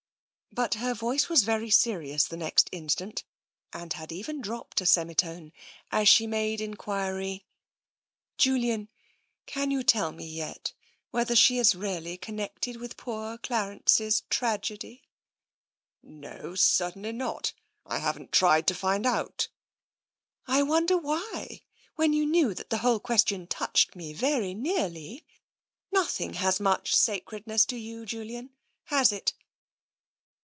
But her voice was very serious the next instant, and had even dropped a semitone, as she made enquiry : TENSION 49 "Julian, can you tell me yet whether she is really connected with poor Clarence's tragedy?" " No, certainly not — I haven't tried to find out." " I wonder why, when you knew that the whole ques tion touched me very nearly. Nothing has much sacredness to you, Julian, has it